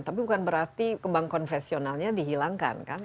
tapi bukan berarti kembang konvensionalnya dihilangkan kan